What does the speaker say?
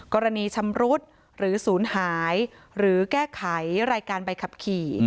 กรณีชำรุดหรือศูนย์หายหรือแก้ไขรายการใบขับขี่